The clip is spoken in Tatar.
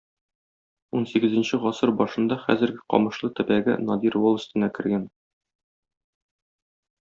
Унсигезенче гасыр башында хәзерге Камышлы төбәге Надир волостенә кергән.